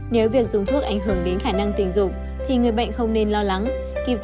nếu việc dùng thuốc ảnh hưởng đến khả năng tình dục